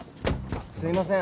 すいません。